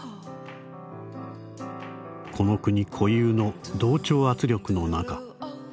「この国固有の同調圧力の中。